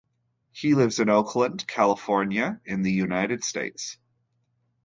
He lives in Oakland, California in the United States.